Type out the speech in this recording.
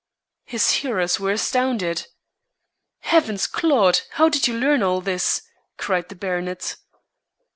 His hearers were astounded. "Heavens, Claude, how did you learn all this?" cried the baronet.